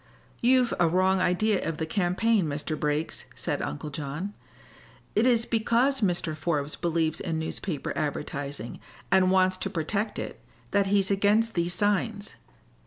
"You've a wrong idea of the campaign, Mr. Briggs," said Uncle John. "It is because Mr. Forbes believes in newspaper advertising, and wants to protect it, that he's against these signs.